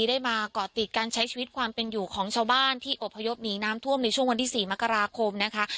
ได้มาเกาะติดการใช้ชีวิตความเป็นอยู่ของชาวบ้านที่อบพยพหนีน้ำท่วมในช่วงวันที่๔มกราคมนะคะ